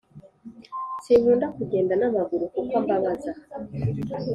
Sinkunda kugenda namaguru kuko ambabaza